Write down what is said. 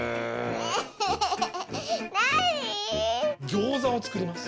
ギョーザをつくります。